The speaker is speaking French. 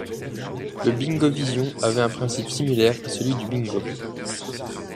Le Bingovision avait un principe similaire à celui du Bingo.